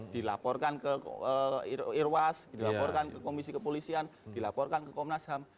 dilaporkan ke irwas dilaporkan ke komisi kepolisian dilaporkan ke komnas ham